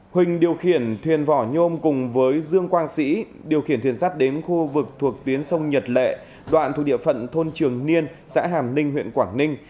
huỳnh điều khiển thuyền vỏ nhôm cùng với dương quang sĩ điều khiển thuyền sắt đến khu vực thuộc tuyến sông nhật lệ đoạn thuộc địa phận thôn trường niên xã hàm ninh huyện quảng ninh